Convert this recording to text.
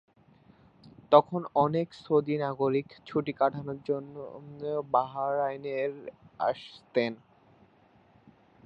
তখন অনেক সৌদি নাগরিক ছুটি কাটানোর জন্য বাহরাইনের আসতেন।